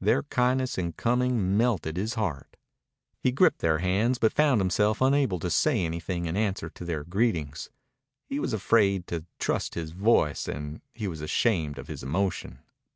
Their kindness in coming melted his heart. He gripped their hands, but found himself unable to say anything in answer to their greetings. He was afraid to trust his voice, and he was ashamed of his emotion.